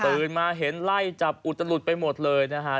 มาเห็นไล่จับอุตลุดไปหมดเลยนะฮะ